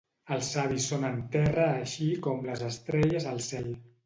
Els savis són en terra així com les estrelles al cel.